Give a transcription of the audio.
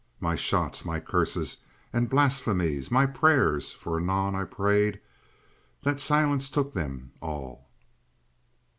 My shots, my curses and blasphemies, my prayers—for anon I prayed—that Silence took them all.